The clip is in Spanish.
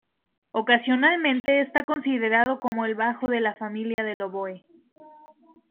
Ocasionalmente está considerado como el bajo de la familia del oboe.